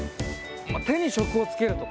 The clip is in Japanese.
手に職をつけるとか？